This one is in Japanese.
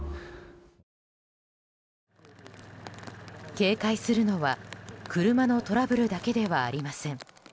警戒するのは、車のトラブルだけではありません。